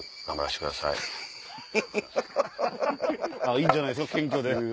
いいんじゃないですか謙虚で。